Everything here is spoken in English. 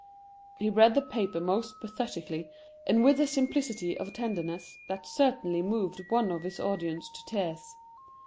He read the paper most pathetically, and with a simplicity of tenderness that certainly moved one of his audience to tears.